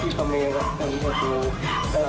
ประสับสนุน